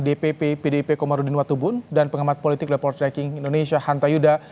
dpp pdip komarudin watubun dan pengamat politik report tracking indonesia hanta yuda